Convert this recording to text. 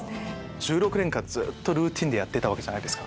１６年間ずっとルーティンでやってたわけじゃないですか。